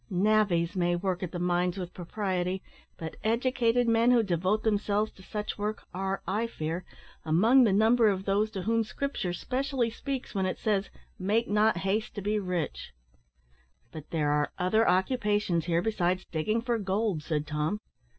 Navvies may work at the mines with propriety; but educated men who devote themselves to such work are, I fear, among the number of those to whom Scripture specially speaks, when it says, `Make not haste to be rich.'" "But there are other occupations here besides digging for gold," said Tom.